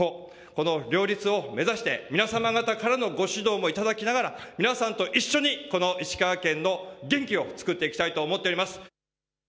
この両立を目指して皆様方からのご指導もいただきながら皆さんと一緒にこの石川県の元気をつくっていきたいと思っております。